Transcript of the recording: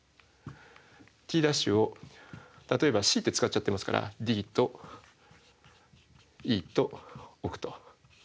ｔ′を例えばｃって使っちゃってますからＤとＥと置くと。